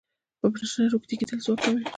په نشه روږدی کیدل ځواک کموي.